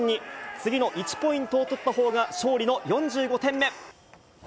次の１ポイントを取ったほうが、勝利の４５点目。